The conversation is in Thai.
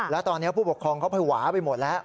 แล้วตอนนี้ผู้ปกครองเขาภาวะไปหมดแล้ว